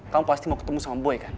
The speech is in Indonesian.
kamu pasti mau ketemu sama boy kan